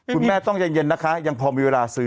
คุณแม่ต้องเย็นนะคะยังพอมีเวลาซื้อ